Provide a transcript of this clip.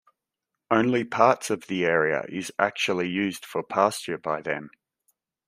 Only parts of the area is actually used for pasture by them.